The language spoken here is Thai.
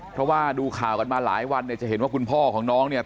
เพราะว่าดูข่าวกันมาหลายวันเนี่ยจะเห็นว่าคุณพ่อของน้องเนี่ย